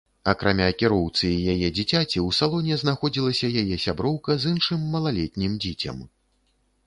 Акрамя кіроўцы і яе дзіцяці ў салоне знаходзілася яе сяброўка з іншым малалетнім дзіцем.